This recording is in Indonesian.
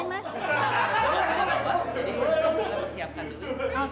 jadi kita persiapkan dulu